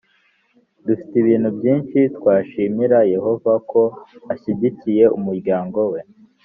dufite ibintu byinshi twashimira yehova ko ashyigikiye umuryango we